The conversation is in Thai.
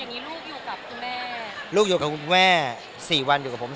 อย่างนี้ลูกอยู่กับคุณแม่ลูกอยู่กับคุณแม่สี่วันอยู่กับผม